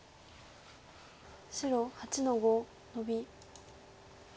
白８の五ノビ。